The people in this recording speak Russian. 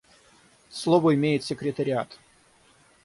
Слово имеет секретариат.